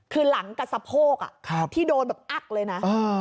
คือหลังกับสะโพกที่โดนแบบอักเลยนะ